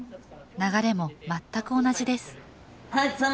流れも全く同じですハク様！